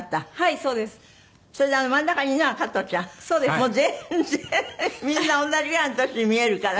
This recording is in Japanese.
もう全然みんな同じぐらいの年に見えるから。